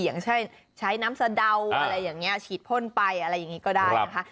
อย่างเช่นใช้น้ำสะเดาอะไรอย่างนี้ฉีดพ่นไปอะไรอย่างนี้ก็ได้นะคะ